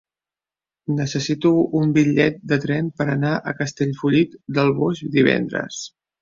Necessito un bitllet de tren per anar a Castellfollit del Boix divendres.